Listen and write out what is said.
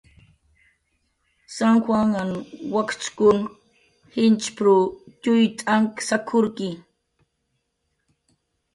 "San juanahn wakchkunq jinchp""rw txuy t'ank sak""urki "